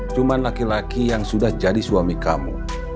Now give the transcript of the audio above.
cuma laki laki yang sudah jadi suami kamu